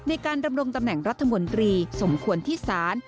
ดำรงตำแหน่งรัฐมนตรีสมควรที่ศาล